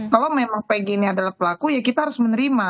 kalau memang pg ini adalah pelaku ya kita harus menerima